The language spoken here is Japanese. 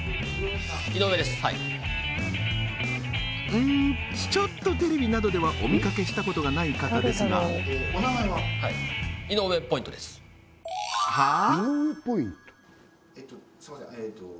うんちょっとテレビなどではお見かけしたことがない方ですがはあ？